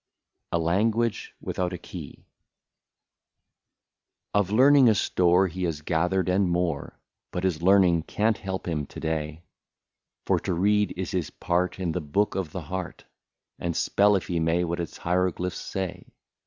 146 A LANGUAGE WITHOUT A KEY. Of learning a store he has gathered and more, But his learning can't help him to day ; For to read is his part in the book of the heart, And spell, if he may, what its hieroglyphs say.